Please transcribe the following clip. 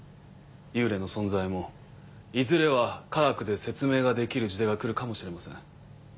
幽霊の存在もいずれは科学で説明ができる時代が来るかもしれません。